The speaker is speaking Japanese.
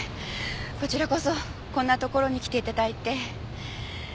こちらこそこんな所に来て頂いて。